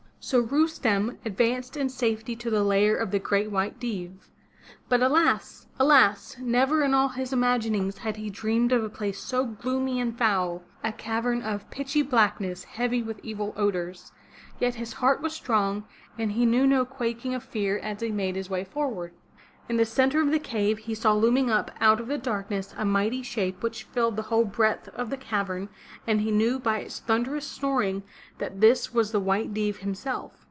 So Rustem advanced in safety to the lair of the Great White Deev. But alas! alas! never in all his imaginings had he dreamed of a place so gloomy and foul — a cavern of pitchy Blackness, heavy with evil odors. Yet his heart was strong and he knew no quaking of fear as he made his way forward. In the center of the cave he saw looming up out of the darkness a mighty shape which filled the whole breadth of the cavern and he knew by its thunderous snoring that this was the White Deev himself.